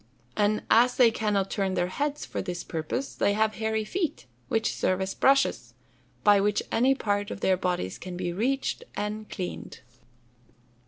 And as they cannot turn their heads for this purpose, they have hairy feet, which serve as brushes, by which any part of their bodies can be reached and cleaned.